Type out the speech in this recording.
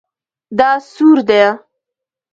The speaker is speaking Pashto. دا سور ده